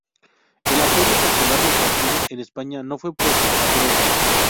El apoyo popular del partido en España no fue puesto a prueba.